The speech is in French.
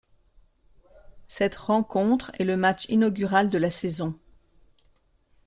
Cette rencontre est le match inaugural de la saison.